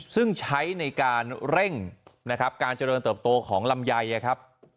ซึ่งใช้ในการเร่งนะครับการเจริญเติบโตของลำไยครับ